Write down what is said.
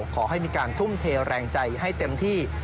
ขอให้มีการทุ่มเทแรงใจให้เต็มที่